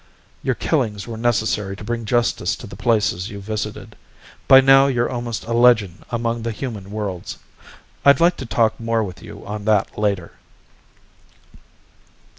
Your killings were necessary to bring justice to the places you visited. By now you're almost a legend among the human worlds. I'd like to talk more with you on that later."